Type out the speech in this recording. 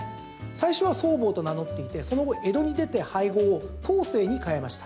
最初は、そうぼうと名乗っていてその後、江戸に出て俳号を桃青に変えました。